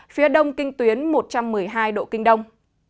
phía đông kinh tuyến một trăm một mươi hai độ kinh đông